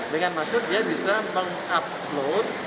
dengan maksud dia bisa meng upload